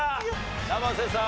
生瀬さん